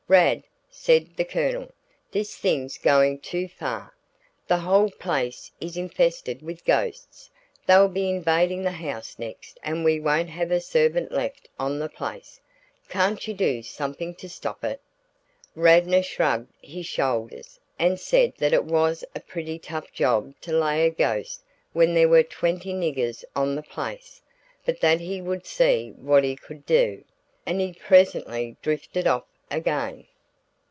"Rad," said the Colonel, "this thing's going too far. The whole place is infested with ghosts; they'll be invading the house next and we won't have a servant left on the place. Can't you do something to stop it?" Radnor shrugged his shoulders and said that it was a pretty tough job to lay a ghost when there were twenty niggers on the place, but that he would see what he could do; and he presently drifted off again.